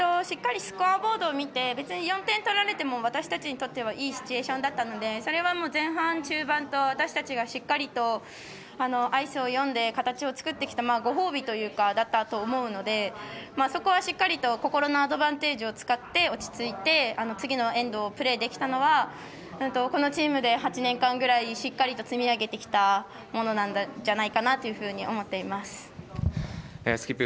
しっかりスコアボードを見て別に４点取られても私たちにとってはいいシチュエーションだったのでそれは前半、中盤と私たちが、しっかりアイスを読んで、形を作ってきたご褒美だったと思うのでそこはしっかりと心のアドバンテージを使って落ち着いて次のエンド、プレーできたのはこのチームで８年間ぐらいしっかりと積み上げてきたものじゃないのかなと思ってます。